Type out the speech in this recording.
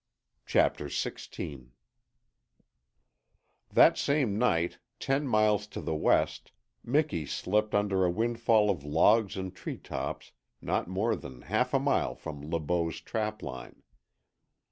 CHAPTER SIXTEEN That same night, ten miles to the west, Miki slept under a windfall of logs and treetops not more than half a mile from Le Beau's trapline.